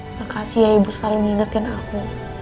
makasih ya ibu selalu mengingatkan aku